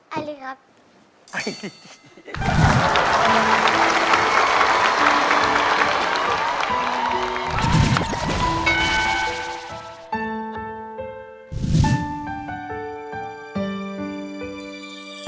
ไอลี่ครับ